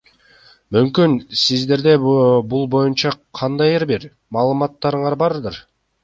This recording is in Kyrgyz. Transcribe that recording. Мүмкүн сиздерде бул боюнча кандайдыр бир маалыматтарыңар бардыр?